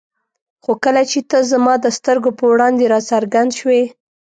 خو کله چې ته زما د سترګو په وړاندې را څرګند شوې.